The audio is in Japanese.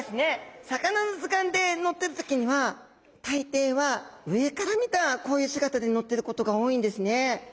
魚の図鑑で載ってる時には大抵は上から見たこういう姿で載ってることが多いんですね。